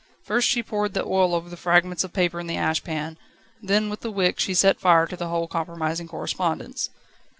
First she poured the oil over the fragments of paper in the ash pan, then with the wick she set fire to the whole compromising correspondence.